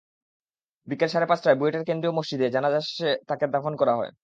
বিকেল সাড়ে পাঁচটায় বুয়েটের কেন্দ্রীয় মসজিদে জানাজা শেষে দাফন করা হয়।